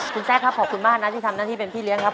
คุณแซคครับขอบคุณมากนะที่ทำหน้าที่เป็นพี่เลี้ยงครับ